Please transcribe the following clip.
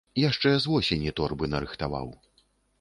Яшчэ з восені торбы нарыхтаваў.